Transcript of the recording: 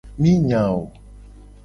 Mi nya wo.